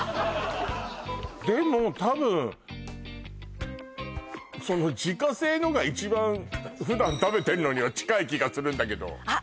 でもたぶん自家製のが一番普段食べてんのには近い気がするんだけどあっ